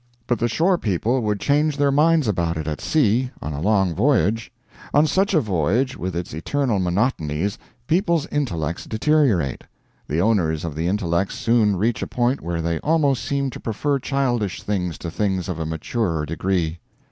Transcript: But the shore people would change their minds about it at sea, on a long voyage. On such a voyage, with its eternal monotonies, people's intellects deteriorate; the owners of the intellects soon reach a point where they almost seem to prefer childish things to things of a maturer degree.